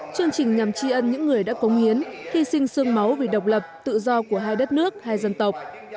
chương trình nhằm tri ân những người đã công hiến hy sinh sương máu vì độc lập tự do của hai đất nước hai dân tộc